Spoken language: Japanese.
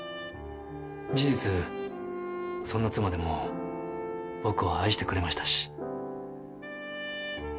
事実そんな妻でも僕を愛してくれましたし。